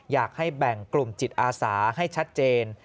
อยากให้แบ่งกลุ่มจิตอาสาให้ชัดเจน